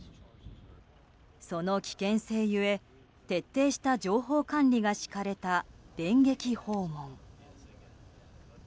その危険性ゆえ、徹底した情報管理が敷かれた電撃訪問。